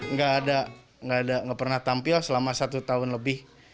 nggak ada nggak pernah tampil selama satu tahun lebih